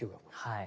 はい。